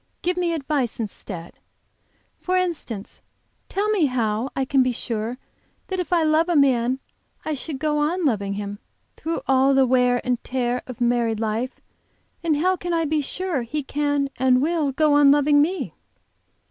"Give me advice instead; for instance, tell me how I can be sure that if I love a man I shall go on loving him through all the wear and tear of married life and how can I be sure he can and will go on loving me?"